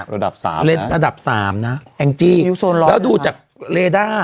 ระดับสามเล่นระดับสามนะแองจี้โซลแล้วดูจากเลด้า